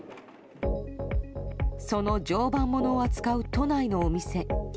その常磐ものを扱う都内のお店。